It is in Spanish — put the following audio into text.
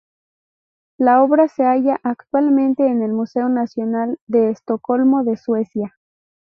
La obra se halla actualmente en el Museo Nacional de Estocolmo de Suecia.